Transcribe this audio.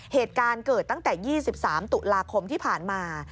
เหตุการณ์เกิดตั้งแต่๒๓ตุลาคมที่ผ่านมา